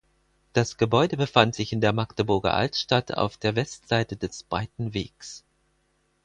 Das Gebäude befand sich in der Magdeburger Altstadt auf der Westseite des Breiten Wegs.